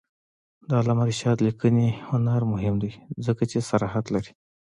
د علامه رشاد لیکنی هنر مهم دی ځکه چې صراحت لري.